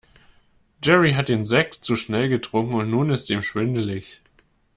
Jerry hat den Sekt zu schnell getrunken und nun ist ihm schwindelig.